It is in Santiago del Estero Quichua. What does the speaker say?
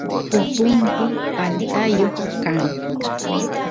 pupumpi paltayoq kan